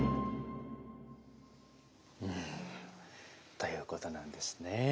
ということなんですね。